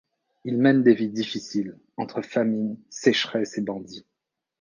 Ils mènent des vies difficiles, entre famine, sécheresses et bandits.